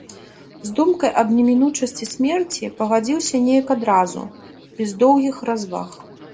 З думкай аб немінучасці смерці пагадзіўся неяк адразу, без доўгіх разваг.